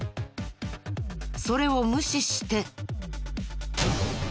それを無視して。